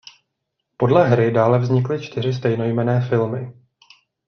Podle hry dále vznikly čtyři stejnojmenné filmy.